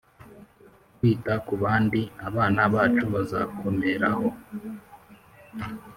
kwita ku bandi, abana bacu bazakomeraho